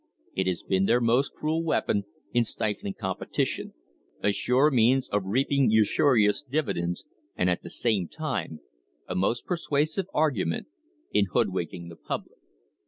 It has been their most cruel weapon in stifling competition, a sure means of reaping usurious dividends, and, at the same time, a most persuasive argument in hoodwinking the public.